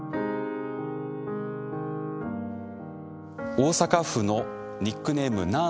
大阪府のニックネームなー